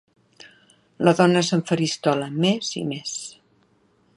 La dona s'enfaristola més i més.